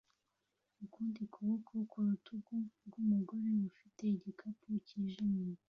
ukundi kuboko ku rutugu rwumugore ufite igikapu cyijimye